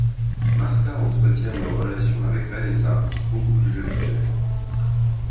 Marta entretient une relation avec Vanessa, beaucoup plus jeune qu'elle.